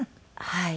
はい。